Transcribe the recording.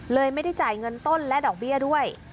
ไม่ได้จ่ายเงินต้นและดอกเบี้ยด้วย